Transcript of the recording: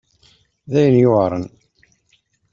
D ayen yuɛṛen.